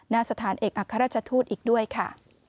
ณสถานเอกอัครราชทูตอีกด้วยค่ะ